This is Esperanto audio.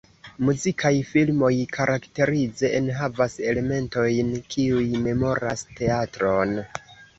Muzikaj filmoj karakterize enhavas elementojn kiuj memoras teatron.